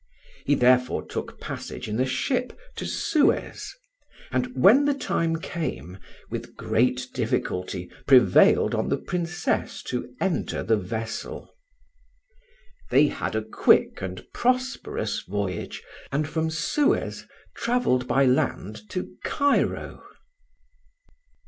He therefore took passage in a ship to Suez, and, when the time came, with great difficulty prevailed on the Princess to enter the vessel. They had a quick and prosperous voyage, and from Suez travelled by land to Cairo.